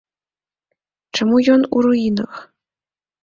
Чаму ён у руінах?